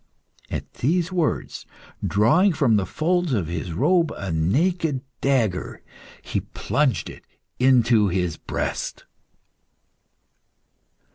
At these words, drawing from the folds of his robe a naked dagger, he plunged it into his breast.